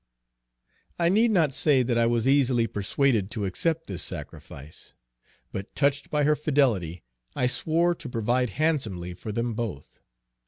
I need not say that I was easily persuaded to accept this sacrifice; but touched by her fidelity, I swore to provide handsomely for them both.